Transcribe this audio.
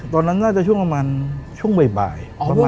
ตอนนั้นน่าจะช่วงประมาณช่วงบ่ายประมาณ